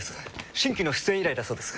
新規の出演依頼だそうです。